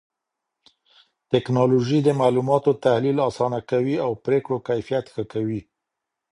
ټکنالوژي د معلوماتو تحليل آسانه کوي او پرېکړو کيفيت ښه کوي.